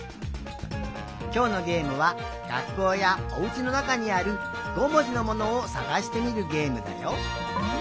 きょうのゲームはがっこうやおうちのなかにある５もじのものをさがしてみるゲームだよ。